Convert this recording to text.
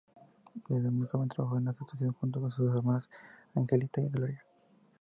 Desde muy joven trabajó en la actuación junto a sus hermanas Angelita y Gloria.